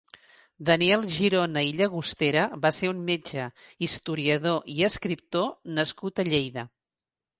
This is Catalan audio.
Daniel Girona i Llagostera va ser un metge, historiador i escriptor nascut a Lleida.